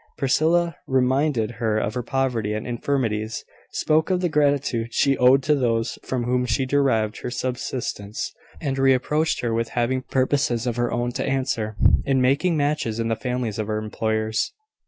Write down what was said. Priscilla reminded her of her poverty and infirmities, spoke of the gratitude she owed to those from whom she derived her subsistence, and reproached her with having purposes of her own to answer, in making matches in the families of her employers."